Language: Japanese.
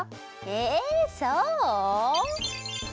えそう？